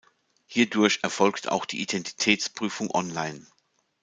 Hierdurch erfolgt auch die Identitätsprüfung online.